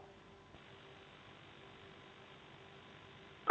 nah kita lihat di bawah ini ya